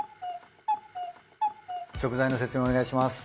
食材の説明お願いします。